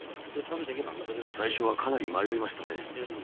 最初はかなり迷いましたね。